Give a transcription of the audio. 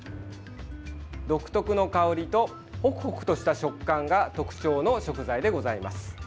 独特の香りとホクホクとした食感が特徴の食材でございます。